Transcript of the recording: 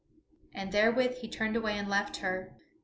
And therewith he turned away and left her.